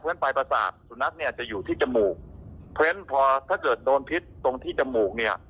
เพราะฉะนั้นปลายประสาทสุนัขเนี่ยจะอยู่ที่จมูกเพราะฉะนั้นพอถ้าเกิดโดนพิษตรงที่จมูกเนี่ย